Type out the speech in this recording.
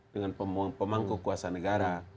dengan pemangku kuasa negara